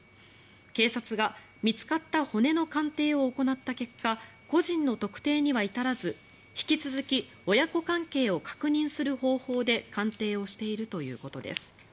警察が見つかった骨の鑑定を行った結果個人の特定には至らず、引き続き親子関係を確認する方法で鑑定をしているということです。